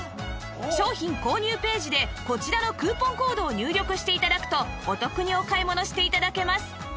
商品購入ページでこちらのクーポンコードを入力して頂くとお得にお買い物して頂けます